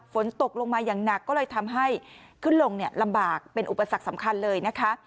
ฝนตกลงมาอย่างหนักก็เลยทำให้ขึ้นลงลำบากเป็นอุปสรรคสำคัญเลยนะคะ